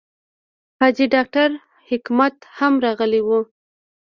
حاجي ډاکټر حکمت هم راغلی و.